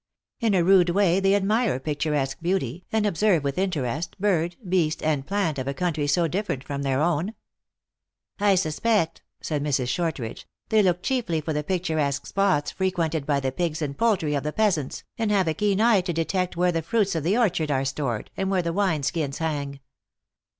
In a rude way they admire picturesque beauty, and observe with interest, bird, beast and plant of a country so different from their own." "I suspect," said Mrs. Shortridge, "they look chiefly for the picturesque spots frequented by the pigs and poultry of the peasants, and have a keen eye to detect where the fruits of the orchard are stored, and where the wine skins hang."